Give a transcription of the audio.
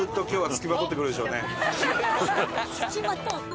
「付きまとう」って。